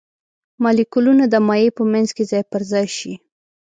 مالیکولونه د مایع په منځ کې ځای پر ځای شي.